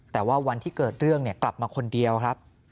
แต่ว่าวันที่เกิดเรื่องกลับมาคนเดียวครับ